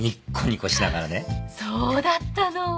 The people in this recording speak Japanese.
そうだったの！